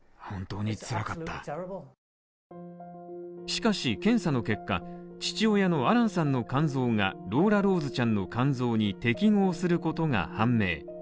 しかし検査の結果、父親のアランさんの肝臓がローラローズちゃんの肝臓に適合することが判明。